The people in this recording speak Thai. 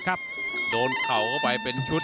นักมวยจอมคำหวังเว่เลยนะครับ